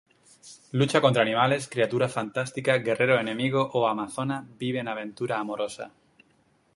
Lucha contra animales, criaturas fantásticas, guerreros enemigos o amazonas y vive aventuras amorosas.